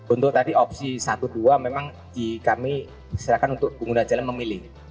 untuk tadi opsi satu dua memang kami serahkan untuk pengguna jalan memilih